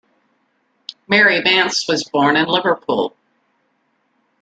Mary Mance was born in Liverpool.